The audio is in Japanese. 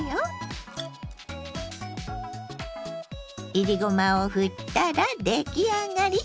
いりごまをふったら出来上がり。